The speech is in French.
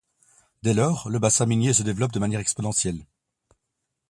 Dès lors, le bassin minier se développe de manière exponentielle.